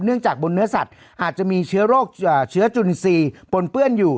จากบนเนื้อสัตว์อาจจะมีเชื้อโรคเชื้อจุนทรีย์ปนเปื้อนอยู่